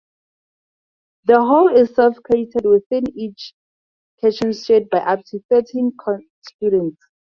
The hall is self-catered, with each kitchen shared by up to thirteen students.